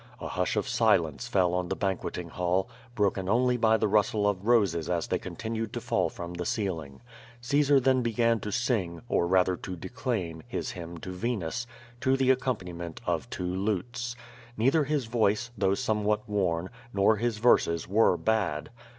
A hush of silence fell on the banqueting hall, broken only by the rustle of roses as they continued to fall from the ceiling. Caesar then began to sing, or rather to declaim, his hymn to Venus^ to the accompaniment of two lutes. 66 Q^O VADIS. Neither his voice, though somewhat worn, nor his verses were bad.